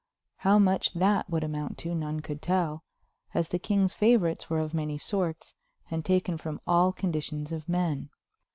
How much that would amount to none could tell, as the king's favorites were of many sorts and taken from all conditions of men.